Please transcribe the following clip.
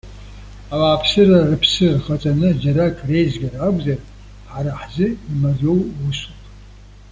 Ауааԥсыра рыԥсы рхаҵаны џьарак реизгра акәзар, ҳара ҳзы имариоу усуп.